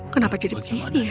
kenapa jadi begini